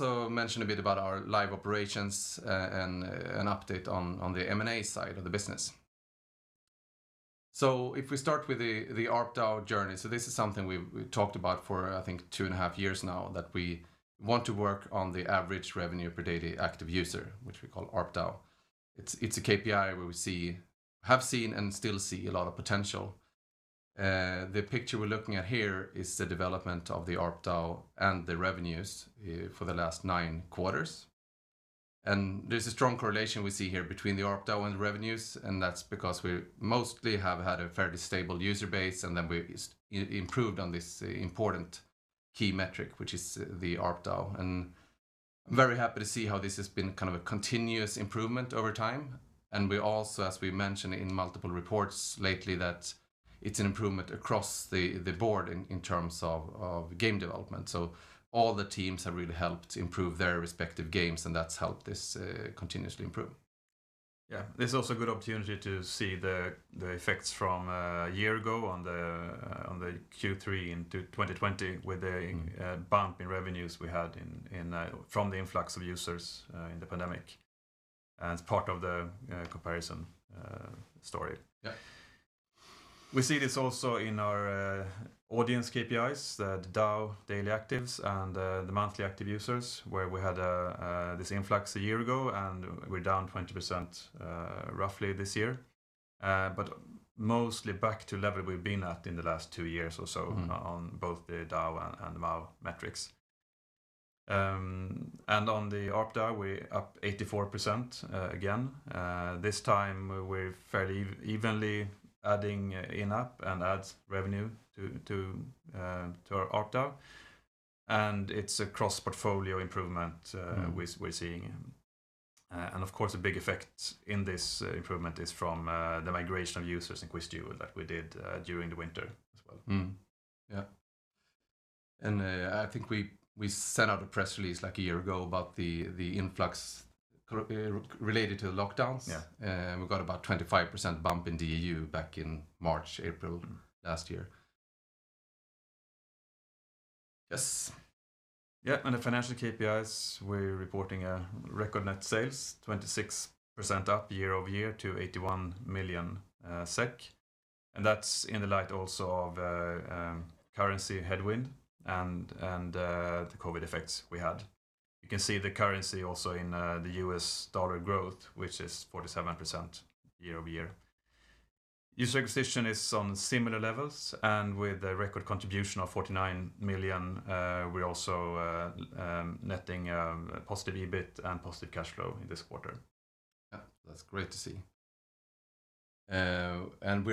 Mention a bit about our live operations and an update on the M&A side of the business. If we start with the ARPDAU journey, this is something we've talked about for, I think, two and a half years now, that we want to work on the average revenue per daily active user, which we call ARPDAU. It's a KPI we have seen and still see a lot of potential. The picture we're looking at here is the development of the ARPDAU and the revenues for the last nine quarters. There's a strong correlation we see here between the ARPDAU and revenues, and that's because we mostly have had a fairly stable user base, and then we improved on this important key metric, which is the ARPDAU, and very happy to see how this has been kind of a continuous improvement over time. We also, as we mentioned in multiple reports lately, that it's an improvement across the board in terms of game development. All the teams have really helped improve their respective games, and that's helped this continuously improve. This is also a good opportunity to see the effects from a year ago on the Q3 in 2020 with the bump in revenues we had from the influx of users in the pandemic as part of the comparison story. We see this also in our audience KPIs, the DAU, daily actives and the monthly active users, where we had this influx a year ago, and we're down 20% roughly this year. Mostly back to level we've been at in the last two years or so on both the DAU and MAU metrics. On the ARPDAU, we're up 84% again. This time we're fairly evenly adding in-app and ads revenue to our ARPDAU, and it's a cross-portfolio improvement we're seeing. Of course, a big effect in this improvement is from the migration of users in QuizDuell that we did during the winter as well. I think we sent out a press release a year ago about the influx related to the lockdowns. We got about a 25% bump in the DAU back in March, April last year. The financial KPIs, we're reporting a record net sales 26% up year-over-year to 81 million SEK, and that's in the light also of currency headwind and the COVID effects we had. You can see the currency also in the U.S. dollar growth, which is 47% year-over-year. User acquisition is on similar levels, and with a record contribution of 49 million, we're also netting a positive EBIT and positive cash flow in this quarter. Yeah, that's great to see. If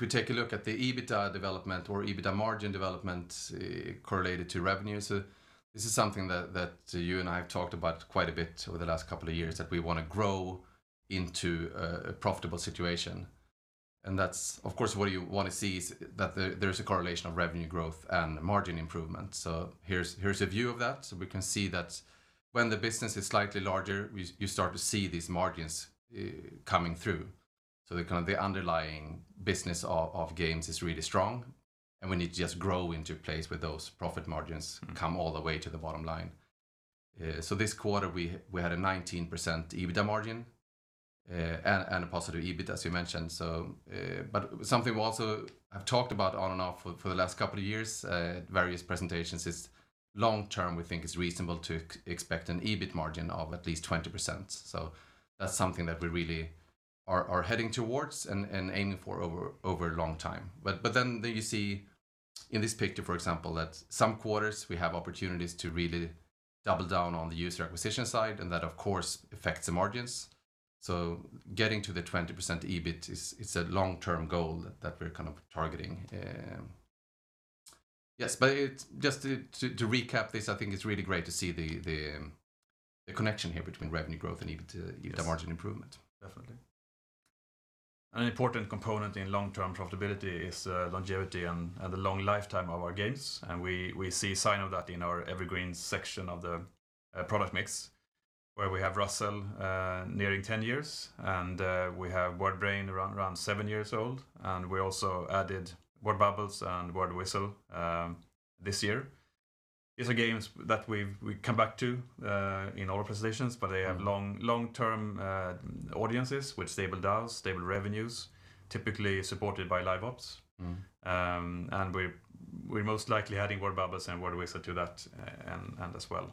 we take a look at the EBITDA development or EBITDA margin development correlated to revenues, this is something that you and I have talked about quite a bit over the last couple of years, that we want to grow into a profitable situation. That's, of course, what you want to see is that there's a correlation of revenue growth and margin improvement. Here's a view of that. We can see that when the business is slightly larger, we start to see these margins coming through. The underlying business of games is really strong, and we need to just grow into a place where those profit margins come all the way to the bottom line. This quarter, we had a 19% EBITDA margin and a positive EBIT, as you mentioned. Something we also have talked about on and off for the last couple of years, various presentations, is long-term, we think it's reasonable to expect an EBIT margin of at least 20%. That's something that we really are heading towards and aiming for over a long time. You see in this picture, for example, that some quarters we have opportunities to really double down on the user acquisition side, and that of course affects the margins. Getting to the 20% EBIT is a long-term goal that we're kind of targeting. Yes, just to recap this, I think it's really great to see the connection here between revenue growth and EBIT margin improvement. Yes, definitely. An important component in long-term profitability is longevity and the long lifetime of our games. We see a sign of that in our evergreen section of the product mix, where we have Ruzzle nearing 10 years, and we have WordBrain around seven years old, and we also added WordBubbles and WordWhizzle this year. These are games that we come back to in our presentations, but they have long-term audiences with stable DAUs, stable revenues, typically supported by live ops. We're most likely adding WordBubbles and WordWhizzle to that as well.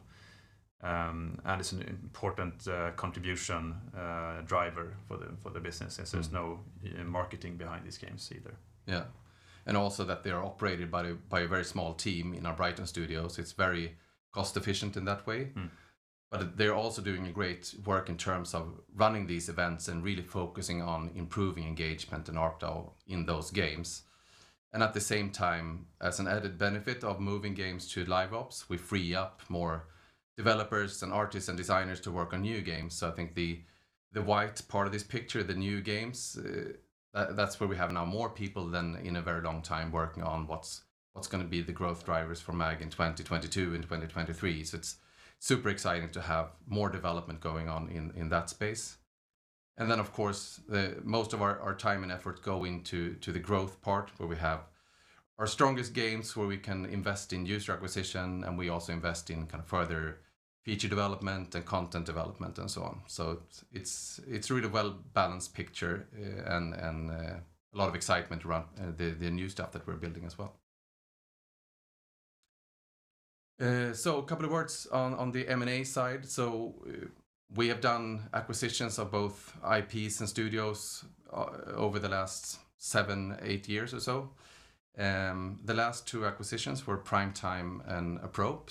It's an important contribution driver for the business, as there's no marketing behind these games either. Also that they're operated by a very small team in our Brighton studios. It's very cost-efficient in that way. They're also doing great work in terms of running these events and really focusing on improving engagement and ARPDAU in those games. At the same time, as an added benefit of moving games to live ops, we free up more developers and artists and designers to work on new games. I think the white part of this picture, the new games, that's where we have now more people than in a very long time working on what's going to be the growth drivers for MAG in 2022 and 2023. It's super exciting to have more development going on in that space. Of course, most of our time and effort go into the growth part, where we have our strongest games where we can invest in user acquisition, and we also invest in further feature development and content development and so on. It's a really well-balanced picture and a lot of excitement around the new stuff that we're building as well. A couple of words on the M&A side. We have done acquisitions of both IPs and studios over the last seven, eight years or so. The last two acquisitions were Primetime and Apprope.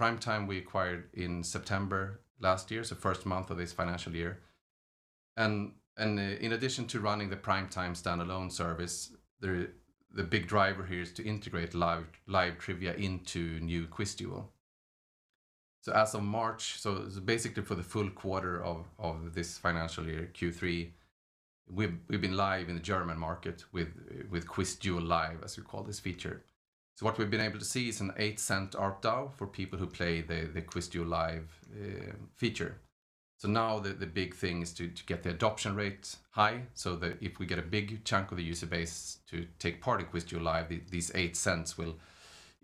Primetime we acquired in September last year, so first month of this financial year. In addition to running the Primetime standalone service, the big driver here is to integrate live trivia into new QuizDuell. As of March, basically for the full quarter of this financial year, Q3, we've been live in the German market with QuizDuell Live, as we call this feature. What we've been able to see is an 0.08 ARPDAU for people who play the QuizDuell Live feature. Now the big thing is to get the adoption rates high, so that if we get a big chunk of the user base to take part in QuizDuell Live, these 0.08 will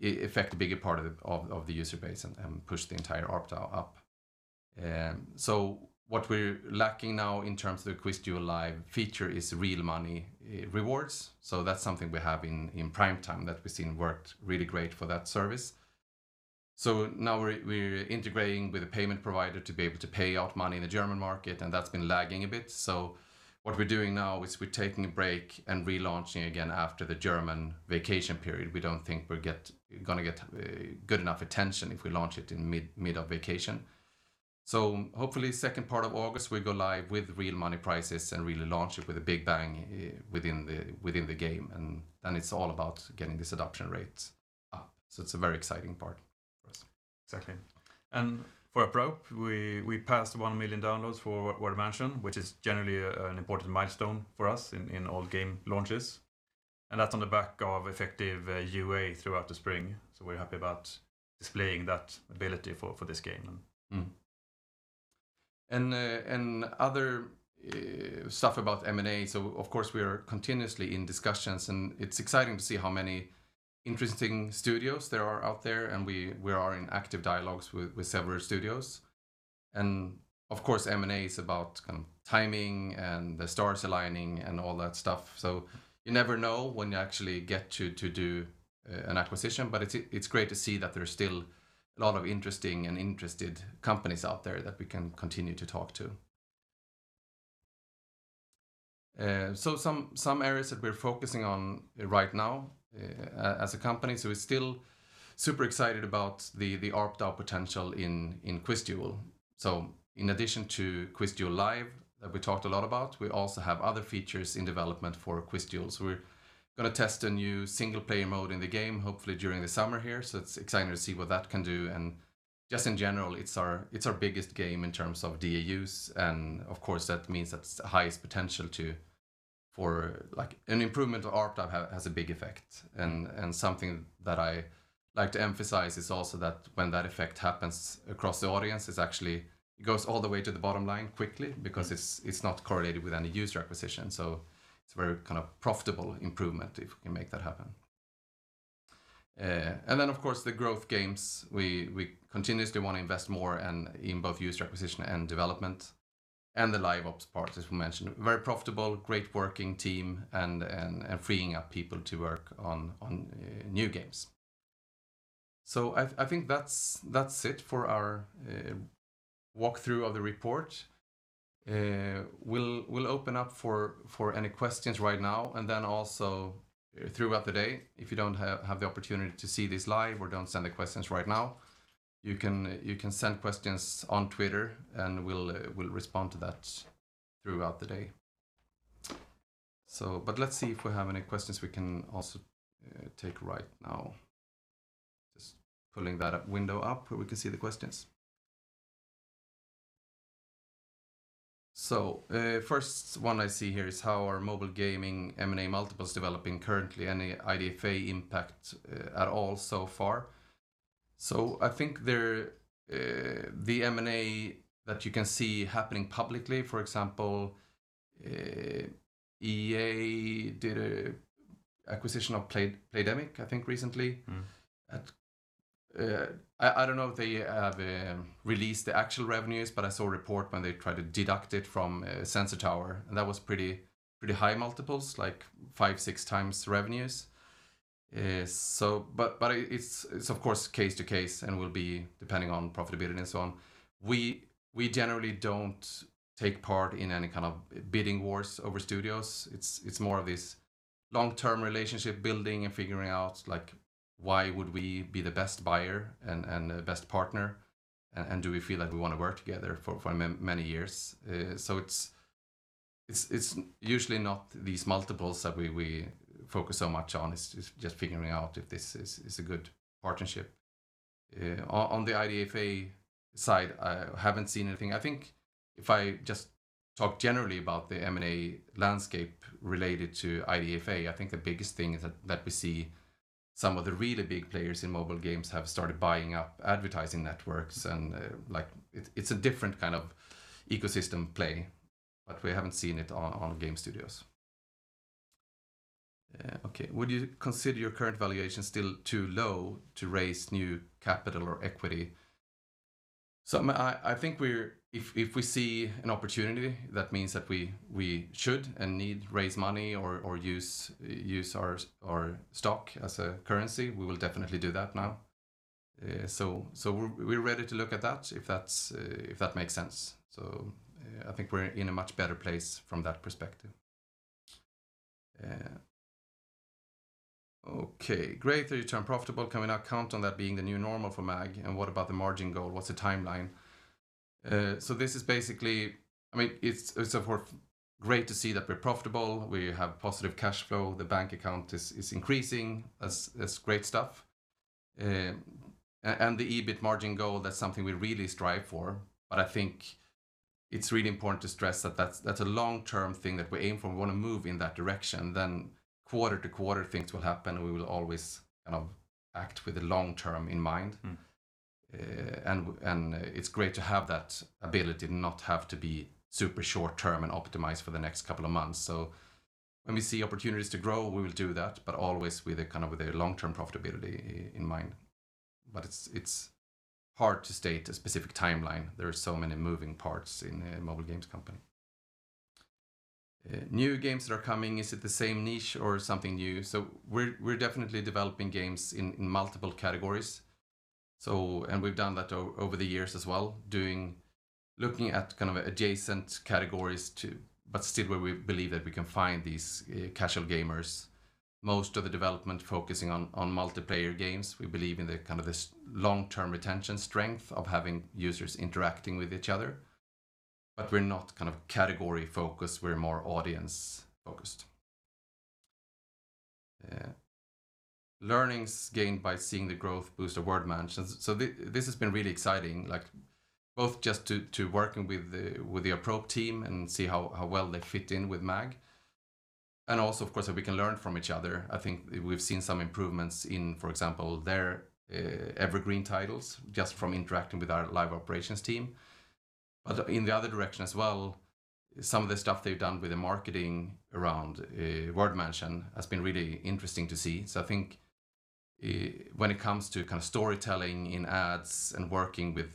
affect a bigger part of the user base and push the entire ARPDAU up. What we're lacking now in terms of the QuizDuell Live feature is real money rewards. That's something we have in Primetime that we've seen worked really great for that service. Now we're integrating with a payment provider to be able to pay out money in the German market, and that's been lagging a bit. What we're doing now is we're taking a break and relaunching again after the German vacation period. We don't think we're going to get good enough attention if we launch it in mid of vacation. Hopefully second part of August, we go live with real money prizes and relaunch it with a big bang within the game, and it's all about getting these adoption rates up. It's a very exciting part for us. Exactly. For Apprope, we passed 1 million downloads for Word Mansion, which is generally an important milestone for us in all game launches. That's on the back of effective UA throughout the spring, so we're happy about displaying that ability for this game. Other stuff about M&A. Of course, we are continuously in discussions. It's exciting to see how many interesting studios there are out there. We are in active dialogues with several studios. Of course, M&A is about timing and the stars aligning and all that stuff. You never know when you actually get to do an acquisition. It's great to see that there's still a lot of interesting and interested companies out there that we can continue to talk to. Some areas that we're focusing on right now as a company. We're still super excited about the ARPDAU potential in QuizDuell. In addition to QuizDuell Live that we talked a lot about, we also have other features in development for QuizDuell. We're going to test a new single-player mode in the game, hopefully during the summer here. It's exciting to see what that can do. Just in general, it's our biggest game in terms of DAUs, and of course, that means that it's the highest potential. An improvement to ARPDAU has a big effect. Something that I like to emphasize is also that when that effect happens across the audience, it goes all the way to the bottom line quickly because it's not correlated with any user acquisition. It's a very profitable improvement if we can make that happen. Of course, the growth games, we continuously want to invest more in both user acquisition and development, and the live ops part, as we mentioned. Very profitable, great working team, and freeing up people to work on new games. I think that's it for our walkthrough of the report. We'll open up for any questions right now, and then also throughout the day. If you don't have the opportunity to see this live or don't send the questions right now, you can send questions on Twitter, and we'll respond to that throughout the day. Let's see if we have any questions we can also take right now. Just pulling that window up where we can see the questions. First one I see here is, "How are mobile gaming M&A multiples developing currently? Any IDFA impact at all so far?" I think the M&A that you can see happening publicly, for example, EA did an acquisition of Playdemic, I think, recently. I don't know if they have released the actual revenues, but I saw a report when they tried to deduct it from Sensor Tower, and that was pretty high multiples, like five, six times the revenues. It's of course case to case and will be depending on profitability and so on. We generally don't take part in any kind of bidding wars over studios. It's more of this long-term relationship building and figuring out why would we be the best buyer and the best partner, and do we feel like we want to work together for many years? It's usually not these multiples that we focus so much on. It's just figuring out if this is a good partnership. On the IDFA side, I haven't seen anything. I think if I just talk generally about the M&A landscape related to IDFA, I think the biggest thing is that we see some of the really big players in mobile games have started buying up advertising networks, and it's a different kind of ecosystem play, but we haven't seen it on game studios. Okay. Would you consider your current valuation still too low to raise new capital or equity? I think if we see an opportunity, that means that we should and need to raise money or use our stock as a currency, we will definitely do that now. We're ready to look at that if that makes sense. I think we're in a much better place from that perspective. Okay. Greatly turned profitable. Can we now count on that being the new normal for MAG? What about the margin goal? What's the timeline? It's, of course, great to see that we're profitable, we have positive cash flow, the bank account is increasing. That's great stuff. The EBIT margin goal, that's something we really strive for, but I think it's really important to stress that that's a long-term thing that we aim for. We want to move in that direction. Quarter to quarter, things will happen, and we will always act with the long term in mind. It's great to have that ability to not have to be super short-term and optimize for the next couple of months. When we see opportunities to grow, we will do that, but always with the long-term profitability in mind. It's hard to state a specific timeline. There are so many moving parts in a mobile games company. New games that are coming, is it the same niche or something new? We're definitely developing games in multiple categories, and we've done that over the years as well, looking at kind of adjacent categories, but still where we believe that we can find these casual gamers. Most of the development focusing on multiplayer games. We believe in the long-term retention strength of having users interacting with each other, but we're not category-focused, we're more audience-focused. Yeah. Learnings gained by seeing the growth boost of "Word Mansion." This has been really exciting, both just to working with the Apprope team and see how well they fit in with MAG, and also, of course, that we can learn from each other. I think we've seen some improvements in, for example, their evergreen titles just from interacting with our live operations team. In the other direction as well, some of the stuff they've done with the marketing around Word Mansion has been really interesting to see. I think when it comes to storytelling in ads and working with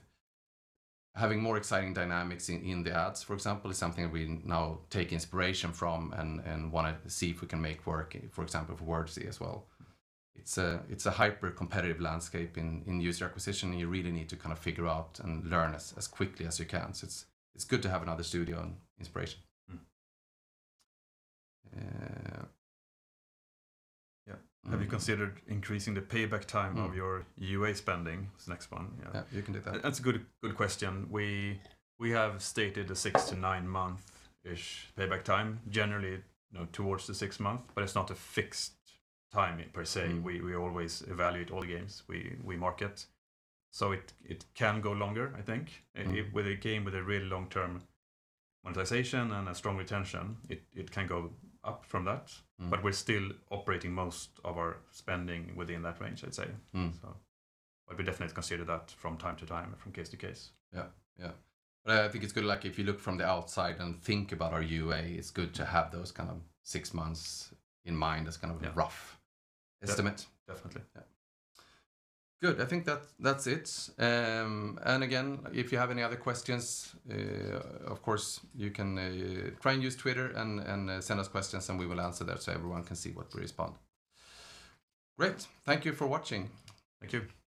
having more exciting dynamics in the ads, for example, is something we now take inspiration from and want to see if we can make work, for example, for Wordzee as well. It's a hyper-competitive landscape in user acquisition, and you really need to figure out and learn as quickly as you can. It's good to have another studio and inspiration. Yeah. Have you considered increasing the payback time of your UA spending? This next one, yeah. You can take that. That's a good question. We have stated a six- to nine-month-ish payback time, generally towards the six month, but it's not a fixed timing per se. We always evaluate all games we market. It can go longer, I think. With a game with a really long-term monetization and a strong retention, it can go up from that. We're still operating most of our spending within that range, I'd say. We definitely consider that from time to time and from case to case. Yeah. I think it's good, if you look from the outside and think about our UA, it's good to have those six months in mind as kind of a rough estimate. Yeah. Definitely. Good. I think that's it. Again, if you have any other questions, of course, you can try and use Twitter and send us questions, and we will answer that so everyone can see what we respond. Great. Thank you for watching. Thank you.